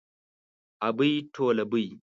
ابۍ ټوله بۍ.